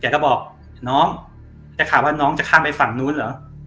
ก็บอกน้องได้ข่าวว่าน้องจะข้ามไปฝั่งนู้นเหรอ